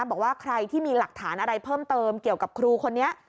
บอกว่าใครที่มีหลักฐานอะไรเพิ่มเติมเกี่ยวกับครูคนนี้